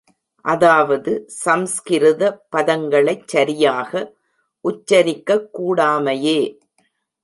அதாவது சம்ஸ்கிருத பதங்களைச் சரியாக உச்சரிக்கக் கூடாமையே!